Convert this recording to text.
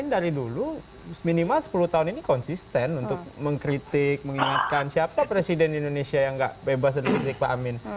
dari dulu minimal sepuluh tahun ini konsisten untuk mengkritik mengingatkan siapa presiden indonesia yang nggak bebas dari kritik pak amin